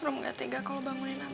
rumga tiga kau bangunin abah sekarang